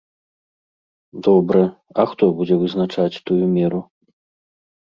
Добра, а хто будзе вызначаць тую меру?